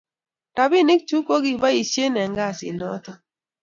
rapinik chu ko kigebaishen eng kasit noton